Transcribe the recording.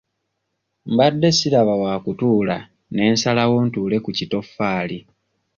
Mbadde siraba wa kutuula ne nsalawo ntuule ku kitoffaali.